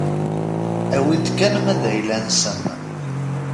Awi-d kan ma d ayla-nsen.